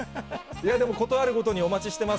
事あるごとにお待ちしてます